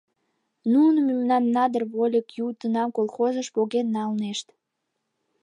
Нуно мемнан надыр вольык-ютынам колхозыш поген налнешт!